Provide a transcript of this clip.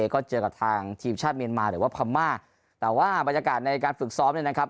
ก็เจอกับทางทีมชาติเมียนมาหรือว่าพม่าแต่ว่าบรรยากาศในการฝึกซ้อมเนี่ยนะครับ